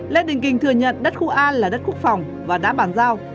lê đình kình thừa nhận đất khu a là đất quốc phòng và đã bàn giao